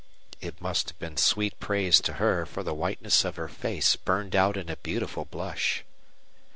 It must have been sweet praise to her, for the whiteness of her face burned out in a beautiful blush.